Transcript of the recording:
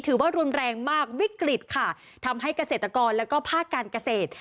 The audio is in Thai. ถือว่ารุนแรงมากวิกฤตค่ะทำให้เกษตรกรแล้วก็ภาคการเกษตร